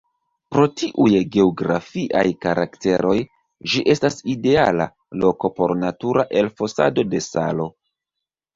Pro tiuj geografiaj karakteroj, ĝi estas ideala loko por natura elfosado de salo.